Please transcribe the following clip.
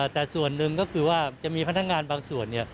แต่ส่วนหนึ่งก็คือว่าจะมีพนักงานบางส่วน